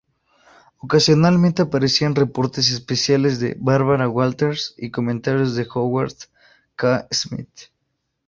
Ocasionalmente aparecían reportes especiales de Barbara Walters y comentarios de Howard K. Smith.